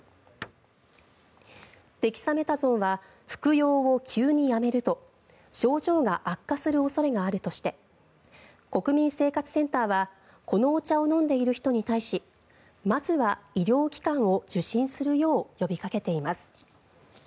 デキサメタゾンは服用を急にやめると症状が悪化する恐れがあるとして国民生活センターはこのお茶を飲んでいる人に対しまずは医療機関を受診するよう呼びかけています。